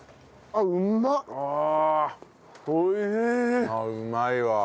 ああうまいわ。